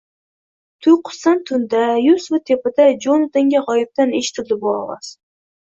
Tuyqusdan tunda, yuz fut tepada Jonatanga g‘oyibdan eshitildi bu ovoz.